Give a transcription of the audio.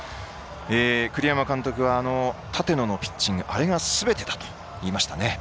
栗山監督は立野のピッチングあれがすべてだと言いましたね。